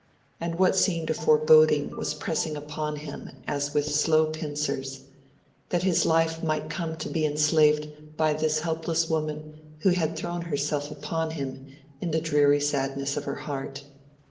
And what seemed a foreboding was pressing upon him as with slow pincers:—that his life might come to be enslaved by this helpless woman who had thrown herself upon him in the dreary sadness of her heart.